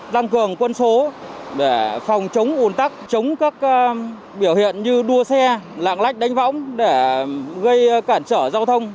tăng cường quân số để phòng chống ủn tắc chống các biểu hiện như đua xe lạng lách đánh võng để gây cản trở giao thông